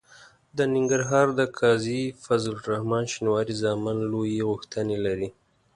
د ننګرهار د قاضي فضل الرحمن شینواري زامن لویې غوښتنې لري.